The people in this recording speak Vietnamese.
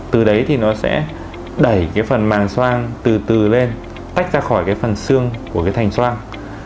từ đấy thì nó sẽ đẩy cái phần màng xoang từ từ lên tách ra khỏi cái phần xương của cái thành soang